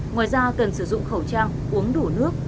ngoài ra cần sử dụng khẩu trang uống đủ nước